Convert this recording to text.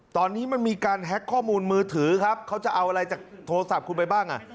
ตอนนี้มันมีการแฮ็กข้อมูลมือถือครับเขาจะเอาอะไรจากโทรศัพท์คุณไปบ้างอ่ะ